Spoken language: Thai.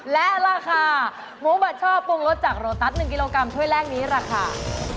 และราคาหมูบัดช่อปรุงรสจากโรตัส๑กิโลกรัมถ้วยแรกนี้ราคา